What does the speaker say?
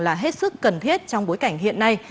là hết sức cần thiết trong bối cảnh hiện nay